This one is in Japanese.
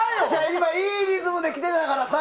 今、いいリズムで来てたからさ。